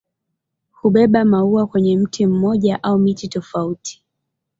Hubeba maua kwenye mti mmoja au miti tofauti.